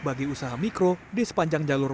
bagi usaha mikro di sepanjang jalur